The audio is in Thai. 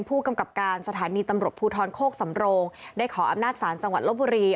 ผู้กำกับการสถานีตำรวจภูทรโคกสำโรงได้ขออำนาจศาลจังหวัดลบบุรี